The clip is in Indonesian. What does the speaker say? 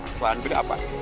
kesalahan beli apa